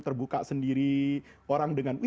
terbuka sendiri orang dengan